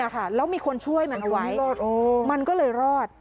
แล้วมีคนช่วยมันเอาไว้มันก็เลยรอด